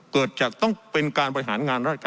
เกิดจากต้องเป็นการบริหารงานยอดการแผ่นดินผิดภาษา